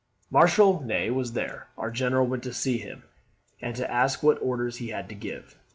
"Marshal Ney was there. Our general went to see him, and to ask what orders he had to give.